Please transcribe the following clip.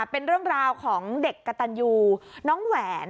เป็นเรื่องราวของเด็กกระตันยูน้องแหวน